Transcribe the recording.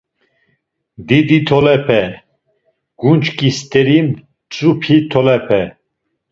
Didi tolepe… Ğunç̌ǩi st̆eri mtzupi tolepe.